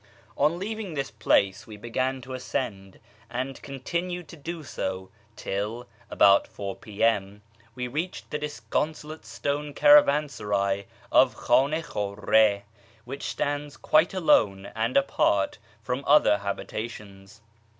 On leaving this place we began to ascend, and continued to do so till, about 4 p.m., we reached the disconsolate stone caravansaray of Khan i Khurre, which stands quite alone and apart from other habitations.